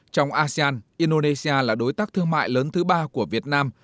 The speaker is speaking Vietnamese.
trong asean indonesia là đối tác thương mại lớn thứ ba của việt nam